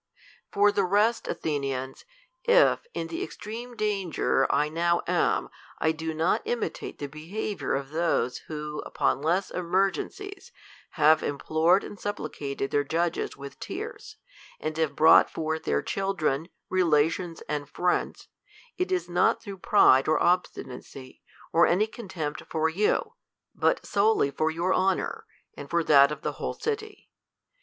For THE COLUMBIAN ORATOR. 125 P'or the rest, Athenians, if, in the extreme danger I now am, I do not imitate the l iehaviour of those, who, upon less emcr2;encies, have implored and supplicated their judges with tears, and have brought forth their children, relations, and friends, it is not through pride or obstinacy, or any contempt for you ; but solely for your honor, and for that of the whole city.